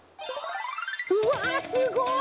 うわすごい！